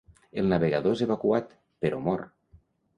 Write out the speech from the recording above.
El navegador és evacuat, però mor.